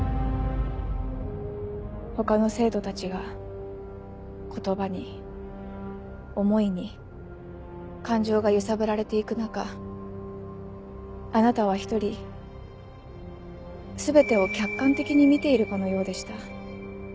他の生徒たちが言葉に思いに感情が揺さぶられていく中あなたは一人全てを客観的に見ているかのようでした。